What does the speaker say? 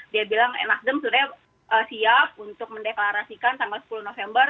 dia bilang nasdem sebenarnya siap untuk mendeklarasikan tanggal sepuluh november